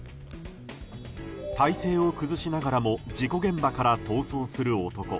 体勢を崩しながらも事故現場から逃走する男。